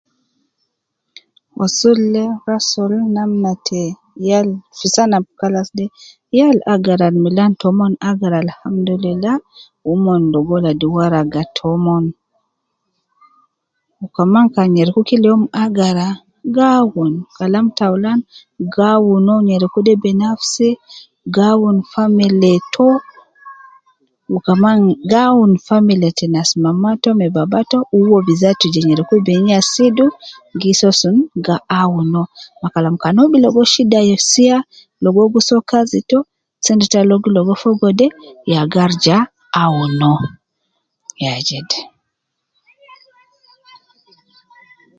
Wosul de rasul namna te yal fi sana ab kalas de, yal agara al milan tomon agara alhamdulillah, wu mon ligo ladi waraga tomon, wu kaman kan nyereku kila youm agara ,gi awun, kalam taulan, gi awun uwo nyereku de binafsi, gi awun family to, wu kaman gi awun family te nas mama to me baba to, uwo bizatu je nyereku biniya sente to de, gi soo sunu, gi awun uwo, me kalam kan uwo bi ligo shida yo sia, logo uwo gi soo, kazi to, sente to al uwo gi logo fogo de, ya garija awun uwo, ya jede